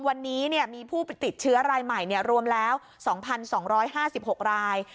วันนี้มีผู้ติดเชื้อรายใหม่รวมแล้ว๒๒๕๖ราย